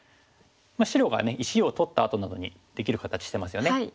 白が石を取ったあとなどにできる形してますよね。